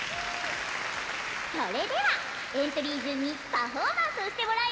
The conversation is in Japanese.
それではエントリーじゅんにパフォーマンスしてもらいます！